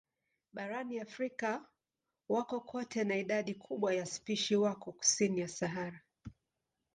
Barani Afrika wako kote na idadi kubwa ya spishi wako kusini ya Sahara.